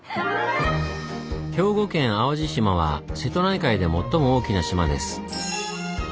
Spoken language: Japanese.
兵庫県淡路島は瀬戸内海で最も大きな島です。